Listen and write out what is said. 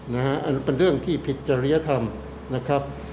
อันนั้นเป็นเรื่องที่ผิดจริยธรรมนะครับ